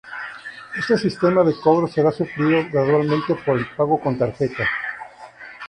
Este sistema de cobro será suplido gradualmente por el pago con tarjetas.